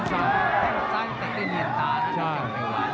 ตั้งซ้ายติดได้เหนียดตานั้น